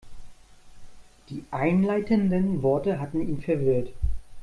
Die einleitenden Worte hatten ihn verwirrt.